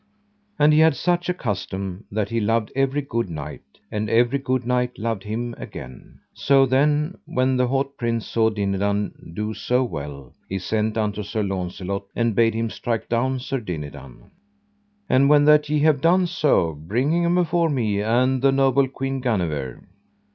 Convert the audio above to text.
And he had such a custom that he loved every good knight, and every good knight loved him again. So then when the haut prince saw Dinadan do so well, he sent unto Sir Launcelot and bade him strike down Sir Dinadan: And when that ye have done so bring him afore me and the noble Queen Guenever.